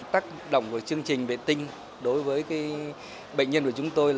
tác động của chương trình bệnh tinh đối với bệnh nhân của chúng tôi